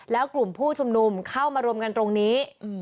แล้วกลุ่มผู้ชุมนุมเข้ามารวมกันตรงนี้